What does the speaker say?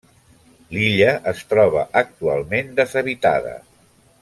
L'illa es troba actualment deshabitada.